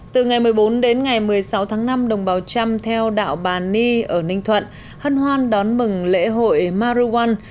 từ ngày một mươi bốn đến ngày một mươi sáu tháng năm đồng bào trăm theo đạo bà ni ở ninh thuận hân hoan đón mừng lễ hội maruwan